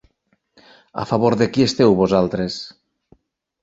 A favor de qui esteu vosaltres?